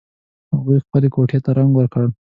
هغوی خپلې کوټې ته رنګ ور کړ